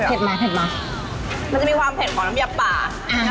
มาเผ็ดมามันจะมีความเผ็ดของน้ำยับป่า